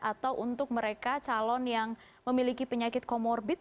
atau untuk mereka calon yang memiliki penyakit komorbid